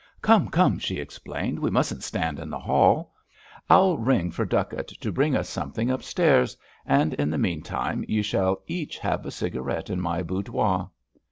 "Come, come," she exclaimed, "we mustn't stand in the hall. I'll ring for Duckett to bring us something upstairs, and in the meantime you shall each have a cigarette in my boudoir."